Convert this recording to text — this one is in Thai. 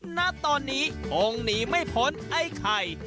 ณตอนนี้คงหนีไม่พ้นไอ้ไข่